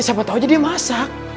siapa tahu aja dia masak